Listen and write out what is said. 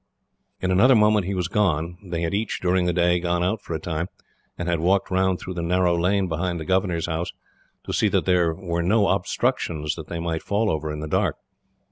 In another moment he was gone. They had each, during the day, gone out for a time, and had walked round through the narrow lane behind the governor's house, to see that there were no obstructions that they might fall over in the dark.